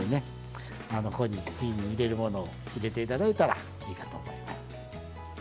こういうふうにつゆに入れるものを入れて頂いたらいいかと思います。